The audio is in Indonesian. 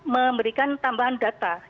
memberikan tambahan data